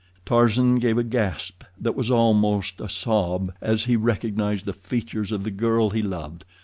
Tarzan gave a gasp that was almost a sob as he recognized the features of the girl he loved.